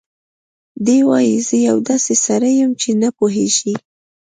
دی وايي: "زه یو داسې سړی یم چې نه پوهېږي